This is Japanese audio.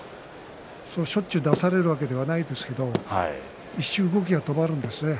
しょっちゅう出されるわけではないですけれども、一瞬動きが止まってしまうんですね。